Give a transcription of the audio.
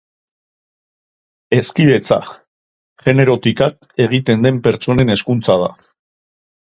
"Hezkidetza" generotik at egiten den pertsonen hezkuntza da.